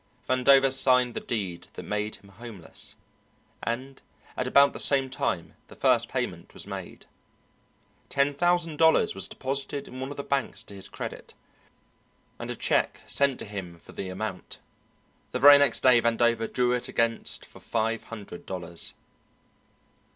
Vandover signed the deed that made him homeless, and at about the same time the first payment was made. Ten thousand dollars was deposited in one of the banks to his credit, and a check sent to him for the amount. The very next day Vandover drew against it for five hundred dollars.